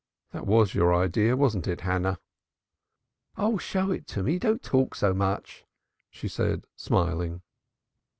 That was your idea, wasn't it, Hannah?" "Oh, show it me! Don't talk so much," she said, smiling.